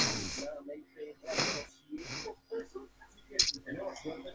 Uno de esos proyectos es el Inter-Esperanto.